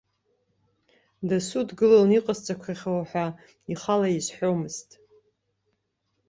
Дасу дгыланы, иҟасҵақәахьоу ҳәа ихала изҳәомызт.